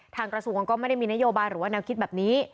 กระทรวงก็ไม่ได้มีนโยบายหรือว่าแนวคิดแบบนี้